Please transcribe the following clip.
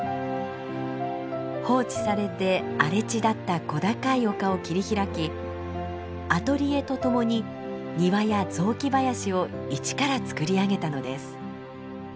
放置されて荒れ地だった小高い丘を切り開きアトリエとともに庭や雑木林を一からつくり上げたのです。